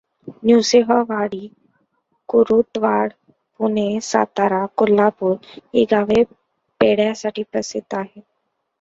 नृसिंहवाडी, कुरुंदवाड, पुणे, सातारा, कोल्हापुर ही गावे पेढ्यासाठी प्रसिद्ध आहेत.